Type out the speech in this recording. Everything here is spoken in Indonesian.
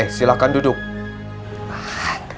oke silahkan duduk